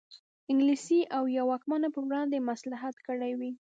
انګلیس او یا واکمنو پر وړاندې مصلحت کړی وي.